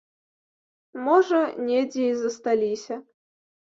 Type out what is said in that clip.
Можа, недзе і засталіся.